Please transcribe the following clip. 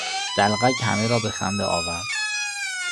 دلقک همه را به خنده آورد.